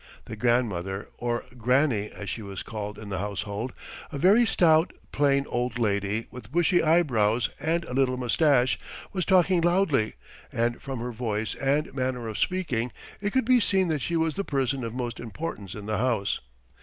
The grandmother, or Granny as she was called in the household, a very stout, plain old lady with bushy eyebrows and a little moustache, was talking loudly, and from her voice and manner of speaking it could be seen that she was the person of most importance in the house.